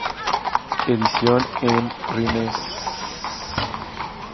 Edición, en Rennes y St.